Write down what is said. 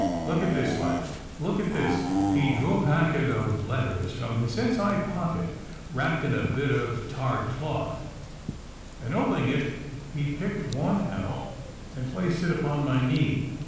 Look at this, lad! Look at this!' He drew a packet of letters from his inside pocket, wrapped in a bit of tarred cloth, and opening it he picked one out and placed it upon my knee.